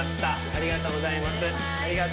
ありがとうございます。